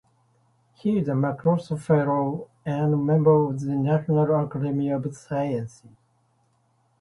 He is a MacArthur Fellow and member of the National Academy of Sciences.